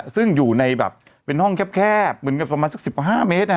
ซึ่งอยู่ในแบบเป็นห้องแคบประมาณสักสิบกว่าห้าเมตร